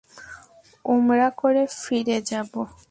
উমরা করে ফিরে যাব।